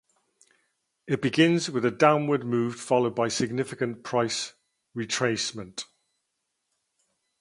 It begins with a downward move followed by a significant price retracement.